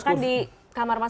makan di kamar masing masing